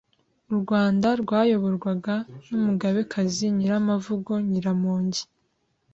U Rwanda rwayoborwaga n’umugabekazi Nyiramavugo Nyiramongi